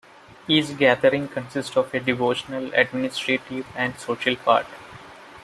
Each gathering consists of a Devotional, Administrative, and Social part.